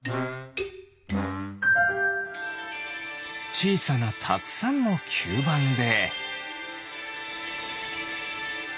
ちいさなたくさんのきゅうばんで。